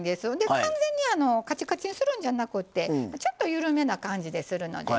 完全にカチカチにするんじゃなくてちょっと緩めな感じでするので。